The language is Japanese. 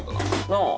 なあ。